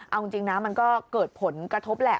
เอาจริงนะมันก็เกิดผลกระทบแหละ